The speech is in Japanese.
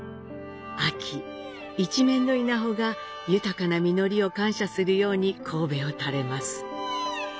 秋、一面の稲穂が豊かな実りを感謝するように頭を垂れます。